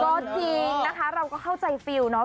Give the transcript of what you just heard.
ก็จริงนะคะเราก็เข้าใจฟิลเนาะ